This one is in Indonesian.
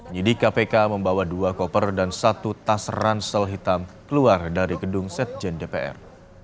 nyidik kpk membawa dua koper dan satu tas ransel hitam keluar dari gedung sekjen dpr